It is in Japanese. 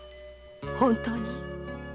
本当に？